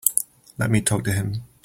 Let me talk to him.